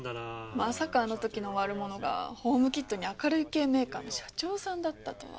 まさかあのときの悪者がホームキットに明るい系メーカーの社長さんだったとは。